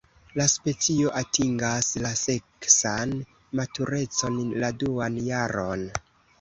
La specio atingas la seksan maturecon la duan jaron.